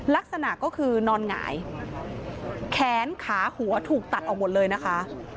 ลักษณะก็คือนอนหงายแขนขาหัวถูกตัดออกหมดเลยนะคะ